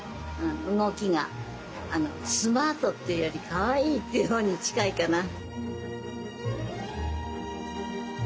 動きがスマートっていうよりかわいいっていうほうに近いかな。